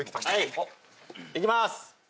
いきまーす。